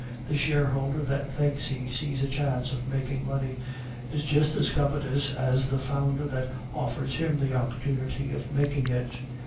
The shareholder that thinks he sees a chance of making money is just as covetous as the founder that offers him the opportunity of making it."